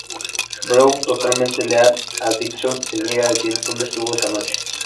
Brown, totalmente leal a Dickson, se niega a decir donde estuvo esa noche.